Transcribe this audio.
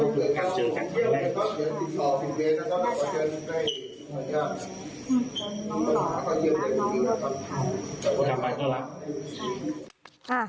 ทำไปเพราะรัก